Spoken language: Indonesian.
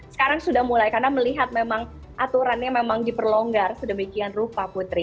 sekarang sudah mulai karena melihat memang aturannya memang diperlonggar sedemikian rupa putri